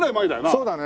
そうだね。